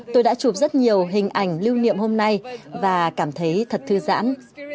tôi đã chụp rất nhiều hình ảnh lưu niệm hôm nay và cảm thấy thật thư giãn